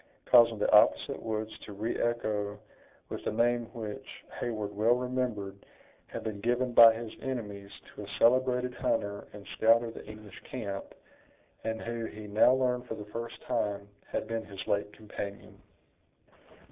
causing the opposite woods to re echo with a name which, Heyward well remembered, had been given by his enemies to a celebrated hunter and scout of the English camp, and who, he now learned for the first time, had been his late companion.